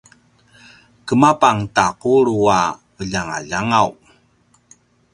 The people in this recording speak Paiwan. kemepang ta qulu a veljangaljangaw